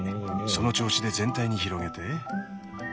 その調子で全体に広げて。